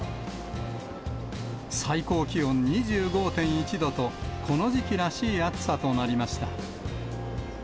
最高気温２５．１度と、この時期らしい暑さとなりました。